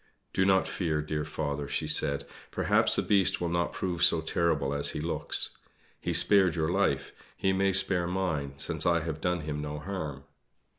"Do not fear, dear father," she said, "perhaps the Beast will not prove so terrible as he looks. He spared your life; he may spare mine, since I have done him no harm."